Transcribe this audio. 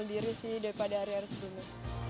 untuk mengontrol diri sih daripada hari hari sebelumnya